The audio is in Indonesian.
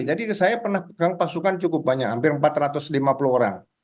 jadi saya pernah pegang pasukan cukup banyak hampir empat ratus lima puluh orang